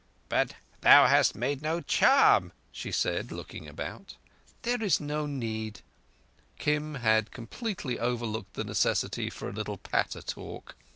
"But thou hast made no charm," she said, looking about. "There is no need." Kim had completely overlooked the necessity for a little patter talk.